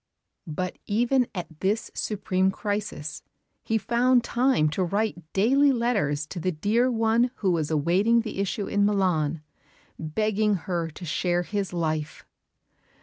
But even at this supreme crisis he found time to write daily letters to the dear one who was awaiting the issue in Milan, begging her to share his life.